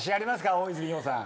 大泉洋さん。